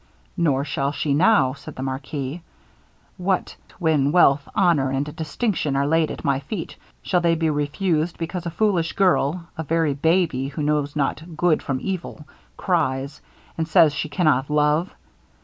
'Nor shall she now,' said the marquis. 'What when wealth, honor, and distinction, are laid at my feet, shall they be refused, because a foolish girl a very baby, who knows not good from evil, cries, and says she cannot love!